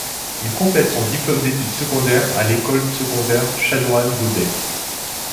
Il complète son diplôme d'études secondaires à l'École secondaire Chanoine-Beaudet.